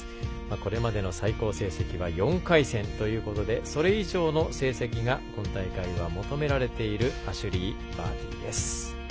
これまでの最高成績は４回戦ということでそれ以上の成績が今大会は求められているアシュリー・バーティです。